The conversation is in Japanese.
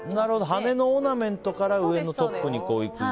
羽根のオーナメントから上のトップに。